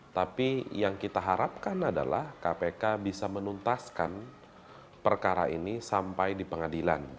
tapi yang kita harapkan adalah kpk bisa menuntaskan perkara ini sampai di pengadilan